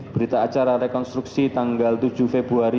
berita acara rekonstruksi tanggal tujuh februari dua ribu enam belas